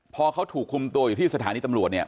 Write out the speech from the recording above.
พอเขาถูกคุมตัวอยู่ที่สถานีตำรวจเนี่ย